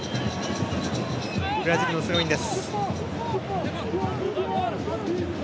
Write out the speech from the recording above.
ブラジルのスローインです。